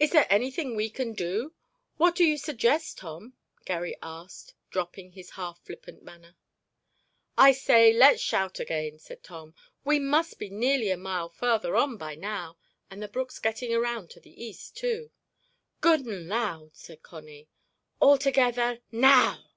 "Is there anything we can do? What do you suggest, Tom?" Garry asked, dropping his half flippant manner. "I say, let's shout again," said Tom. "We must be nearly a mile farther on by now, and the brook's getting around to the east, too." "Good and loud," said Connie. "All together—now!"